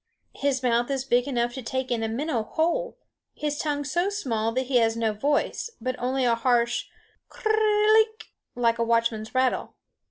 His mouth is big enough to take in a minnow whole; his tongue so small that he has no voice, but only a harsh klr rr r ik ik ik, like a watchman's rattle.